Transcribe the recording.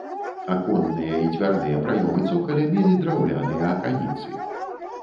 Аконныя і дзвярныя праёмы цокаля мелі драўляныя аканіцы.